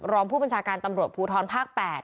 รองผู้บัญชาการตำรวจภูทรภาค๘